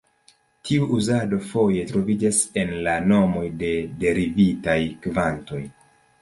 Tia uzado foje troviĝas en la nomoj de derivitaj kvantoj.